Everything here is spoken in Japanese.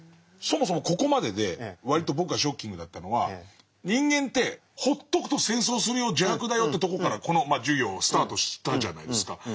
そもそもここまでで割と僕がショッキングだったのは「人間ってほっとくと戦争するよ邪悪だよ」ってとこからこの授業をスタートしたじゃないですか。